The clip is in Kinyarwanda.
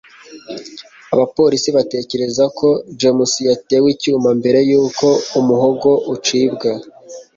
abapolisi batekereza ko james yatewe icyuma mbere yuko umuhogo ucibwa